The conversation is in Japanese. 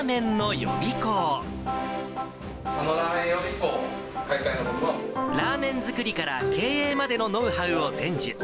予備校開会のこラーメン作りから経営までのノウハウを伝授。